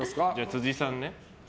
辻さんね。